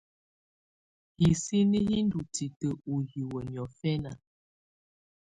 Hisini hi ndɔ́ titǝ́ ú hiwǝ́ niɔ̀fɛna.